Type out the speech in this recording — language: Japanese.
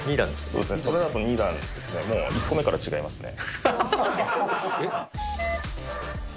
そうですね、それだと２段、１個目から違いますね。